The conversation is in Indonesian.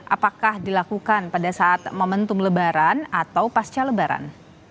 apakah dilakukan pada saat momentum lebaran atau pasca lebaran